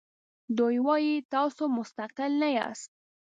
دوی وایي تاسو مستقل نه یاست.